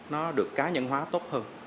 nó được cá nhân hóa tốt hơn